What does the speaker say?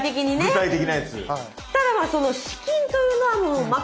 具体的なやつ。